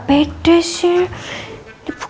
putih dijual semua